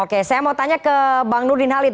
oke saya mau tanya ke bang nurdin halid